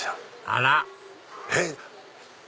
あら！えっ？